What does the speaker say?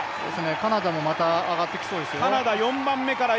カナダもまた上がってきそうですよ。